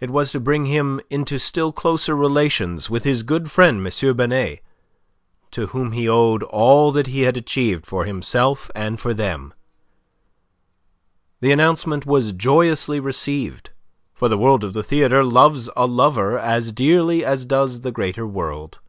It was to bring him into still closer relations with his good friend M. Binet, to whom he owed all that he had achieved for himself and for them. The announcement was joyously received, for the world of the theatre loves a lover as dearly as does the greater world.